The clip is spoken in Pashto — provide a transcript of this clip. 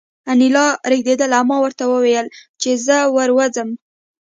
انیلا رېږېدله او ما ورته وویل چې زه ور ووځم